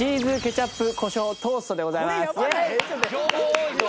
「情報多いぞ」